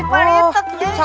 kau tidak bisa